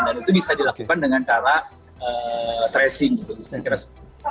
dan itu bisa dilakukan dengan cara tracing gitu